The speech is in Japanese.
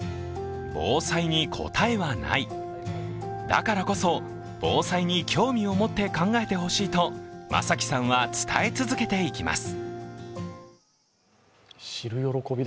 だからこそ、防災に興味を持って考えてほしいと眞輝さんは伝え続けていきます。